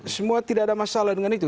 semua tidak ada masalah dengan itu